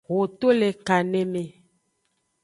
Ho to le kaneme.